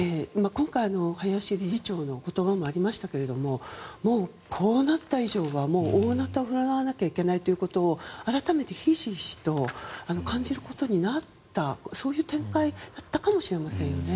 今回、林理事長の言葉もありましたけれどもこうなった以上は大なたを振るわなきゃいけないということを改めてひしひしと感じることになったそういう展開だったかもしれませんよね。